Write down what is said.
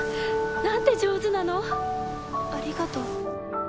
何て上手なの！ありがと。